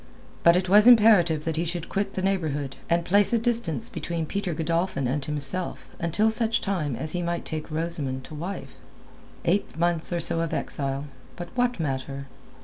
But it was imperative that he should quit the neighbourhood, and place a distance between Peter Godolphin and himself until such time as he might take Rosamund to wife. Eight months or so of exile; but what matter?